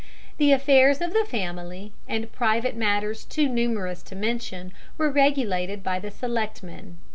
The affairs of the family, and private matters too numerous to mention, were regulated by the selectmen.